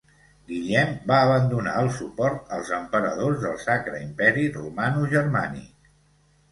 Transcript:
Guillem va abandonar el suport als emperadors del Sacre Imperi Romanogermànic.